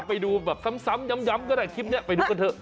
ไปดูแบบซ้ำย้ำก็ได้คลิปนี้ไปดูกันเถอะ